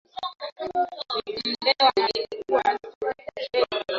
Katibu Mkuu wa Wizara ya Mafuta alisema kuwa serikali inatathmini kiwango